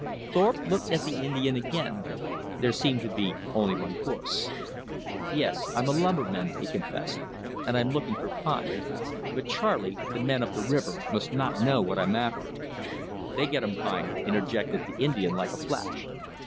Thorpe looked at the Indian again. There seemed to be only one course. "Yes, I'm a lumberman," he confessed, "and I'm looking for pine. But, Charley, the men up the river must not know what I'm after." "They gettum pine," interjected the Indian like a flash.